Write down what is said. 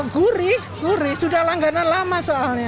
gurih gurih sudah langganan lama soalnya